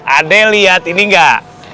adek liat ini nggak